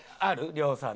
亮さんで。